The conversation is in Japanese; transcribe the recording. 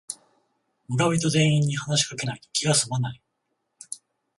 村人全員に話しかけないと気がすまない